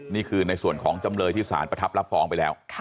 นี่คือในส่วนของจำเลยที่สารประทับรับฟ้องไปแล้ว